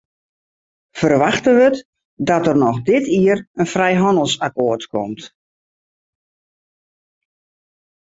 Ferwachte wurdt dat der noch dit jier in frijhannelsakkoart komt.